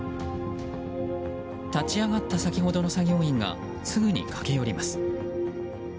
立ち上がった先ほどの作業員がすぐに駆け寄ります。